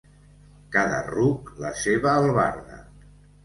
Cada ruc, la seva albarda.